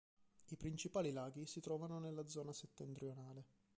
I principali laghi si trovano nella zona settentrionale.